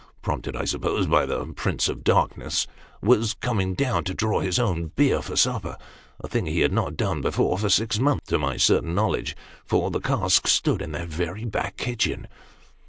prompted I suppose by the prince of darkness, was coming down, to draw his own beer for supper a thing he had not done before, for six months, to my certain know ledge ; for the cask stood in that very back kitchen.